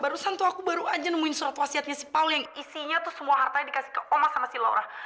barusan tuh aku baru aja nemuin surat wasiatnya si paul yang isinya tuh semua hartanya dikasih ke oma sama si laura